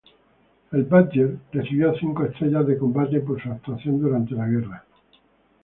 El "Badger" recibió cinco estrellas de combate por su actuación durante la guerra.